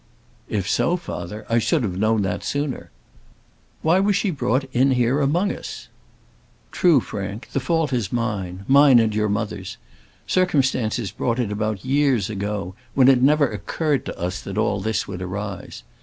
"If so, father, I should have known that sooner. Why was she brought in here among us?" "True, Frank. The fault is mine; mine and your mother's. Circumstances brought it about years ago, when it never occurred to us that all this would arise.